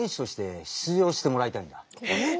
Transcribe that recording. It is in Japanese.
えっ！